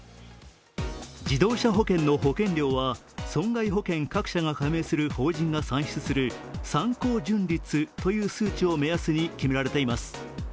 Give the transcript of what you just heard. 自動車保険の保険料は損害保険各社が加盟する法人が算出する参考純率という数値を目安に決められています。